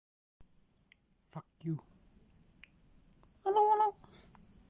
Early compressed air torpedo designs used a similar approach, substituting seawater for air.